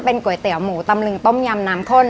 ก๋วยเตี๋ยวหมูตำลึงต้มยำน้ำข้น